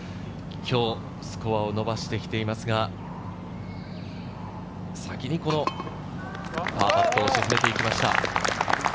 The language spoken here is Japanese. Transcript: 今日、スコアを伸ばしてきていますが、先にパーパットを沈めて行きました。